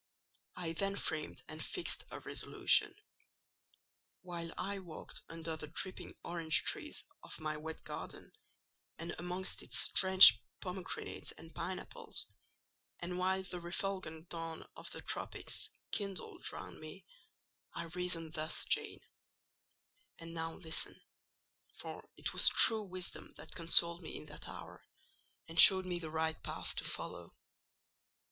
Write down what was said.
I then framed and fixed a resolution. While I walked under the dripping orange trees of my wet garden, and amongst its drenched pomegranates and pine apples, and while the refulgent dawn of the tropics kindled round me—I reasoned thus, Jane—and now listen; for it was true Wisdom that consoled me in that hour, and showed me the right path to follow.